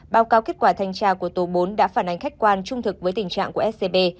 báo cáo kết quả thanh tra của tổ bốn đã phản ánh khách quan trung thực với tình trạng của scb